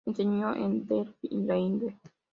Enseñó en Delft y Leiden.